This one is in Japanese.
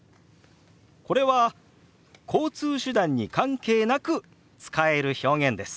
これは交通手段に関係なく使える表現です。